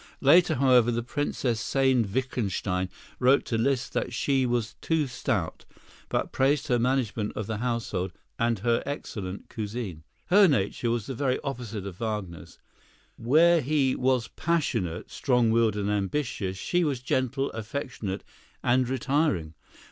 Later, however, the Princess Sayn Wittgenstein wrote to Liszt that she was too stout, but praised her management of the household and her excellent cuisine. Her nature was the very opposite of Wagner's. Where he was passionate, strong willed and ambitious, she was gentle, affectionate and retiring.